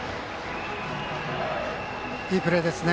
いいプレーですね。